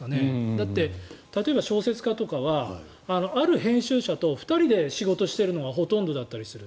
だって、例えば小説家とかはある編集者と２人で仕事しているのがほとんどだったりする。